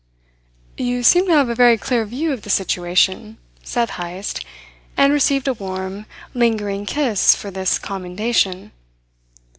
"You seem to have a very clear view of the situation," said Heyst, and received a warm, lingering kiss for this commendation.